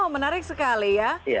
menarik sekali ya